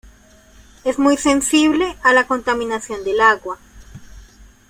Es muy sensible a la contaminación del agua.